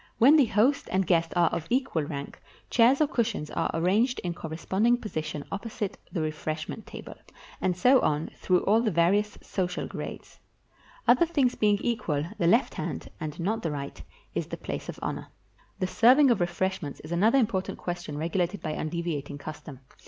When the host and guest are of equal rank, chairs or cushions are arranged in cor responding position opposite the refreshment table, — and so on through all the various social grades. Other 452 HOW TO MAKE CALLS things being equal, the left hand, and not the right, is the place of honor. The serving of refreshments is another important question regulated by undeviating custom.